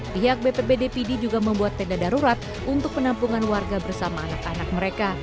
pihak bpbd pd juga membuat tenda darurat untuk penampungan warga bersama anak anak mereka